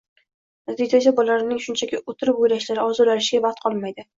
Natijada bolalarning shunchaki o‘tirib, o‘ylashlari, orzulashlariga vaqt qolmaydi.